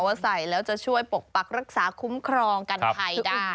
ใส่แล้วจะช่วยปกปักรักษาคุ้มครองกันไทยได้